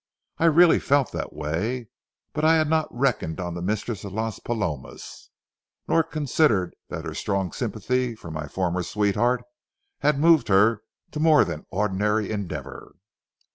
I really felt that way. But I had not reckoned on the mistress of Las Palomas, nor considered that her strong sympathy for my former sweetheart had moved her to more than ordinary endeavor.